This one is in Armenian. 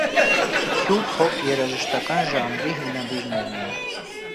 Քյու փոփ երաժշտական ժանրի հիմնադիրներն են։